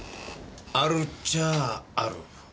あるっちゃあある。